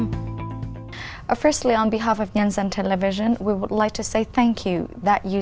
đầu tiên đối với nhân dân tv chúng tôi muốn cảm ơn các bạn đã giữ thời gian cho chúng tôi hôm nay